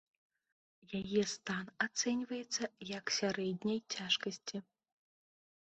Яе стан ацэньваецца як сярэдняй цяжкасці.